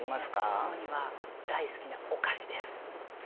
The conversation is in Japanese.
子どもには大好きなお菓子です。